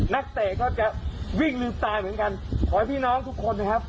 เตะก็จะวิ่งลืมตาเหมือนกันขอให้พี่น้องทุกคนนะครับ